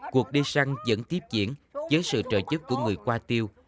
cuộc đi săn vẫn tiếp diễn với sự trợ chức của người qua tiêu